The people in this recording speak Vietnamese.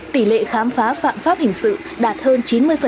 tỷ lệ khám phá phạm pháp hình sự đạt hơn chín mươi